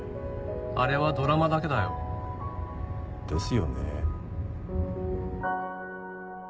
あれはドラマだけだよ。ですよね。